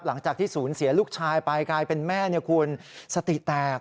หลังจากที่ศูนย์เสียลูกชายไปกลายเป็นแม่คุณสติแตก